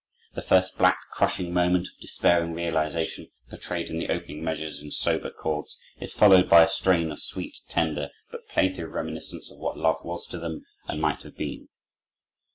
The first black, crushing moment of despairing realization, portrayed in the opening measures in sober chords, is followed by a strain of sweet, tender, but plaintive reminiscence of what love was to them and might have been.